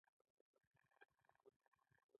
ښه پلورونکی د پیرودونکي زړه ته غوږ نیسي.